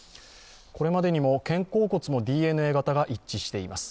これまでにも肩甲骨のＤＮＡ型が一致しています。